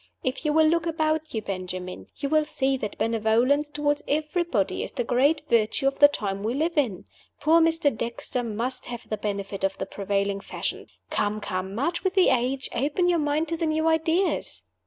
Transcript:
If you will look about you, Benjamin, you will see that benevolence toward everybody is the great virtue of the time we live in. Poor Mr. Dexter must have the benefit of the prevailing fashion. Come, come, march with the age! Open your mind to the new ideas!"